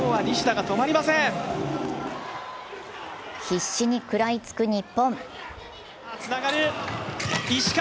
必死に食らいつく日本。